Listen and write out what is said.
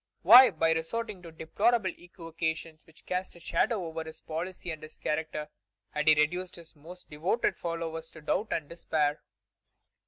Why, by resorting to deplorable equivocations which cast a shadow over his policy and his character, had he reduced his most devoted followers to doubt and despair?